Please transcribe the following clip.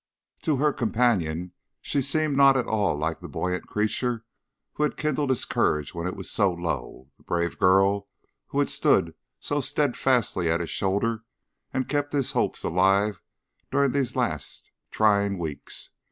To her companion she seemed not at all like the buoyant creature who had kindled his courage when it was so low, the brave girl who had stood so steadfastly at his shoulder and kept his hopes alive during these last, trying weeks.